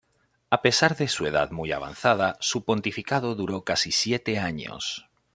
A pesar de su edad muy avanzada, su pontificado duró casi siete años.